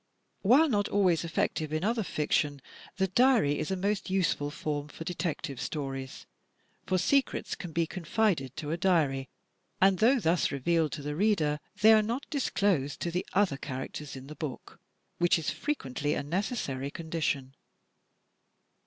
While not always effective in other fiction, the diary is a most useful form for Detective Stories. For secrets can be confided to a diary, and though thus revealed to the reader, they are not disclosed to the other characters in the book; which is frequently a necessary condition.